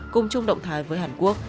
cùng chung động thái với hàn quốc